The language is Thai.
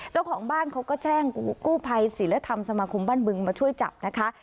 เจ้าของบ้านเขาก็แจ้งกู้ภัยศิลธรรมสมาคมบ้านบึงมาช่วยจับนะคะ